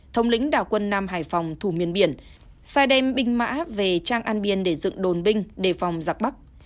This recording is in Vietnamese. thống lĩnh đảo quân nam hải phòng thủ miền biển sai đem binh mã về trang an biên để dựng đồn binh đề phòng giặc bắc